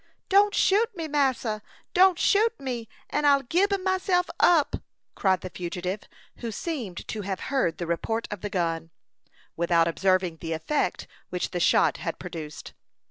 "Don't shoot me, massa! Don't shoot me, and I'll gib myself up," cried the fugitive, who seemed to have heard the report of the gun, without observing the effect which the shot had produced.